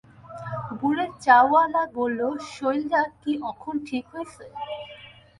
বুড়ে চাওয়ালা বলল, শইলডা কি অখন ঠিক হইছে?